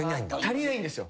足りないんですよ。